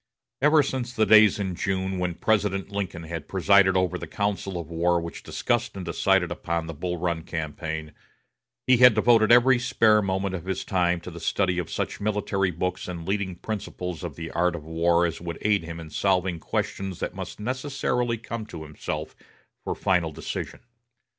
Ever since the days in June, when President Lincoln had presided over the council of war which discussed and decided upon the Bull Run campaign, he had devoted every spare moment of his time to the study of such military books and leading principles of the art of war as would aid him in solving questions that must necessarily come to himself for final decision.